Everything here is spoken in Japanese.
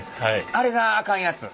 あれがあかんやつ？